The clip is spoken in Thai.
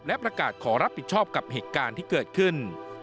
และประกาศขอรับผิดชอบกับเหตุการณ์ที่เกิดขึ้น